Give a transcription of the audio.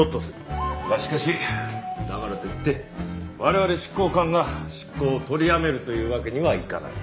がしかしだからといって我々執行官が執行を取りやめるというわけにはいかない。